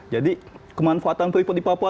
jadi kemanfaatan pripot di papua